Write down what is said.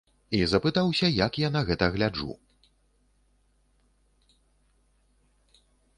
І запытаўся, як я на гэта гляджу.